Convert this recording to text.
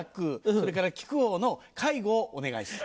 それから木久扇の介護をお願いする。